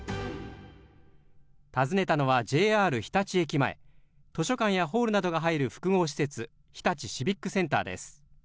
訪ねたのは、ＪＲ日立駅前図書館やホールなどが入る複合施設日立シビックセンターです。